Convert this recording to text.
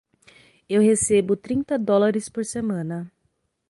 Eu recebo trinta dólares por semana.